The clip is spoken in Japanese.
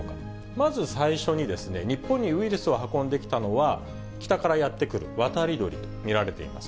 まず最初に、日本にウイルスを運んできたのは、北からやって来る渡り鳥と見られています。